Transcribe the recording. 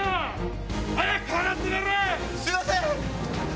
すいません！